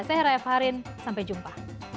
saya raya faharin sampai jumpa